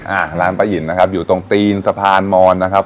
อ่าร้านป้าหินนะครับอยู่ตรงตีนสะพานมอนนะครับ